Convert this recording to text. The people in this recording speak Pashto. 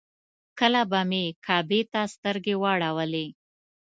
کله به مې کعبې ته سترګې واړولې.